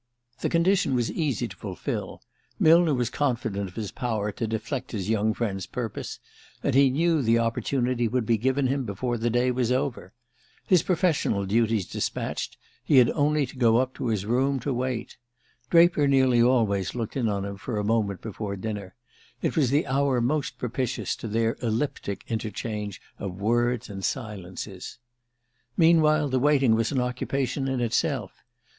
The condition was easy to fulfil. Millner was confident of his power to deflect his young friend's purpose; and he knew the opportunity would be given him before the day was over. His professional duties despatched, he had only to go up to his room to wait. Draper nearly always looked in on him for a moment before dinner: it was the hour most propitious to their elliptic interchange of words and silences. Meanwhile, the waiting was an occupation in itself.